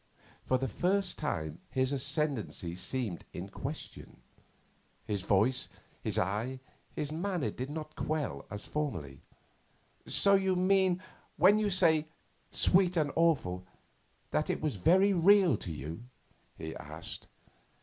For the first time his ascendency seemed in question; his voice, his eye, his manner did not quell as formerly. 'So you mean, when you say "sweet and awful," that it was very real to you?' he asked.